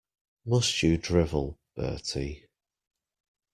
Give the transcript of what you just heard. Must you drivel, Bertie?